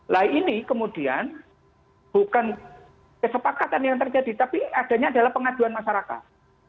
nah ini kemudian bukan kesepakatan yang terjadi tapi adanya adalah pengaduan masyarakat